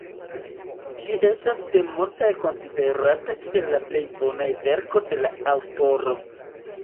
Ĝi estas de multaj konsiderata kiel la plej bona verko de la aŭtoro.